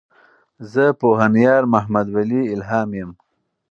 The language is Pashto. زۀ پوهنيار محمدولي الهام يم.